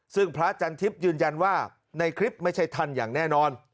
ซึ่งพระจันทิพย์ยืนยันว่าในคลิปไม่ใช่ท่านอย่างแน่นอน